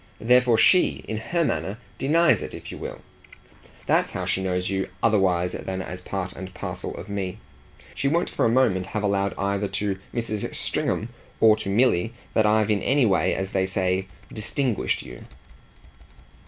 Therefore SHE, in her manner, 'denies' it if you will. That's how she knows you otherwise than as part and parcel of me. She won't for a moment have allowed either to Mrs. Stringham or to Milly that I've in any way, as they say, distinguished you."